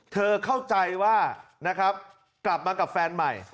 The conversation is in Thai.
เข้าใจว่านะครับกลับมากับแฟนใหม่